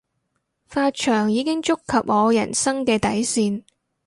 髮長已經觸及我人生嘅底線